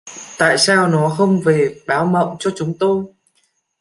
Tại sao nó không về báo mộng cho chúng tôi